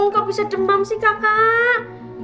gak bisa demam sih kakak